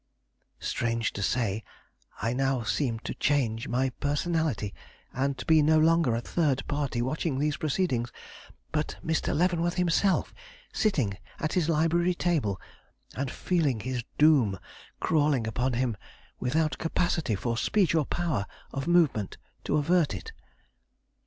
Strange to say, I now seemed to change my personality, and to be no longer a third party watching these proceedings, but Mr. Leavenworth himself, sitting at his library table and feeling his doom crawling upon him without capacity for speech or power of movement to avert it.